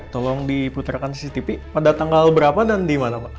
tolong diputarkan cctv pada tanggal berapa dan di mana pak